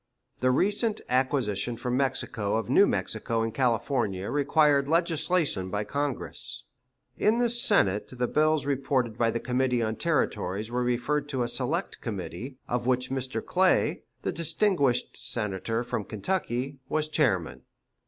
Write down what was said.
The recent acquisition from Mexico of New Mexico and California required legislation by Congress. In the Senate the bills reported by the Committee on Territories were referred to a select committee, of which Mr. Clay, the distinguished Senator from Kentucky, was chairman.